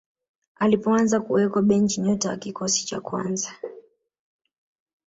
alipoanza kuwekwa benchi nyota wa kikosi cha kwanza